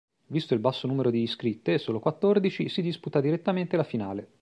Visto il basso numero di iscritte, solo quattordici, si disputa direttamente la finale.